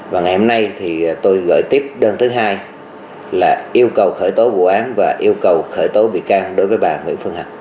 và ngày hôm nay thì tôi gửi tiếp đơn thứ hai là yêu cầu khởi tố vụ án và yêu cầu khởi tố bị can đối với bà nguyễn phương hằng